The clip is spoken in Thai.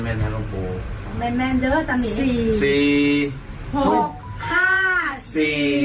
แมนแมนเร็วตามี